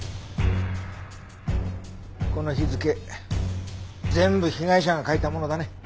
この日付全部被害者が書いたものだね。